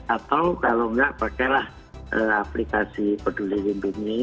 atau kalau tidak pakailah aplikasi peduli rimpi ini